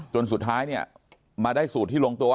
จนสุดท้ายเนี่ยมาได้สูตรที่ลงตัว